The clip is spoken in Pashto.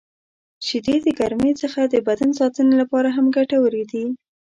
• شیدې د ګرمۍ څخه د بدن ساتنې لپاره هم ګټورې دي.